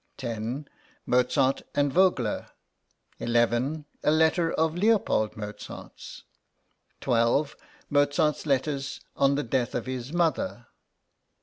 10. Mozart and Vogler. 11. A letter of Leopold Mozart's. 12. Mozart's letters on the death of his mother.